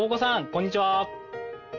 こんにちは。